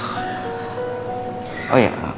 oh misalnya pak